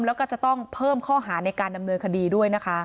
แล้วก็จะต้องเพิ่มข้อหาในการดำเนินคดีด้วยนะคะ